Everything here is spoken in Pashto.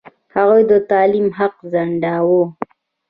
هغوی د تعلیم حق ځنډاوه.